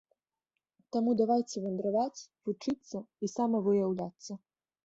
Таму давайце вандраваць, вучыцца і самавыяўляцца!